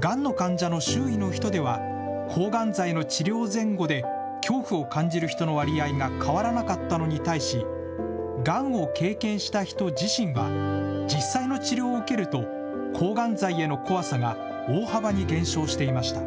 がんの患者の周囲の人では、抗がん剤の治療前後で恐怖を感じる人の割合が変わらなかったのに対し、がんを経験した人自身は、実際の治療を受けると、抗がん剤への怖さが大幅に減少していました。